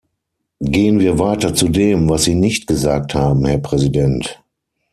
Gehen wir weiter zu dem, was Sie nicht gesagt haben, Herr Präsident.